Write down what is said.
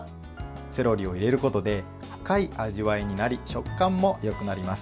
セロリを入れることで深い味わいになり食感もよくなります。